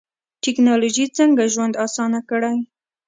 ټکنالوژي څنګه ژوند اسانه کړی؟